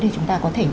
thì chúng ta có thể